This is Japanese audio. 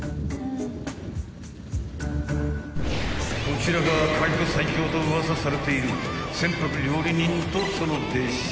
［こちらが海保最強とウワサされている船舶料理人とその弟子］